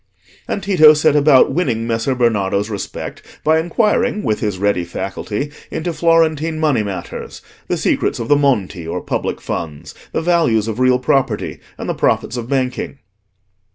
And Tito set about winning Messer Bernardo's respect by inquiring, with his ready faculty, into Florentine money matters, the secrets of the Monti or public funds, the values of real property, and the profits of banking.